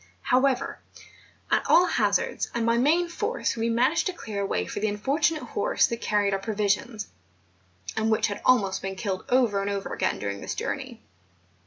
However, at all hazards, and by main force we managed to clear a way for the unfortunate horse that carried our pro¬ visions, and which had almost been killed over and over again during this journey.